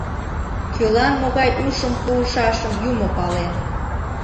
Кӧлан могай ушым пуышашым юмо пален...